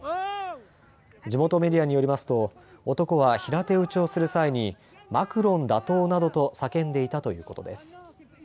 地元メディアによりますと男は平手打ちをする際にマクロン打倒などと叫んでいたということです。